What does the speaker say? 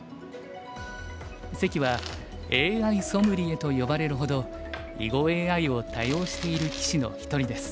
関は「ＡＩソムリエ」と呼ばれるほど囲碁ＡＩを多用している棋士の一人です。